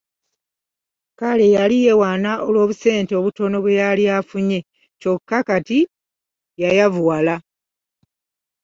Kale yali yeewaana olw’obusente obutono bwe yali afunye kyokka kati yayavuwala.